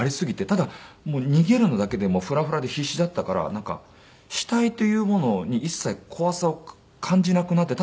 ただ逃げるのだけでフラフラで必死だったからなんか死体というものに一切怖さを感じなくなって。